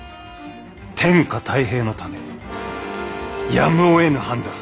天下太平のためやむをえぬ判断。